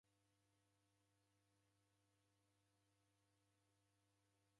W'ikabusa w'andu w'emanga kimusi.